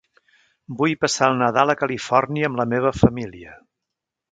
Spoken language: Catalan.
Vull passar el Nadal a Califòrnia amb la meva família.